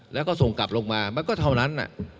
แล้วก็ส่งกลับลงมามันก็เท่านั้น